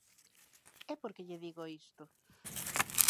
¿E por que lle digo isto?